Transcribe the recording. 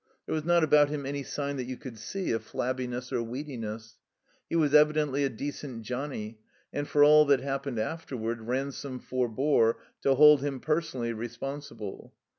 There was not about him any sign that you could see of flabbiness or weediness. He was evidently a decent Johnnie, and for all that happened afterward Ransome forbore to hold him personally responsible.